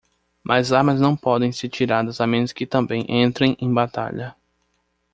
Mas armas não podem ser tiradas a menos que também entrem em batalha.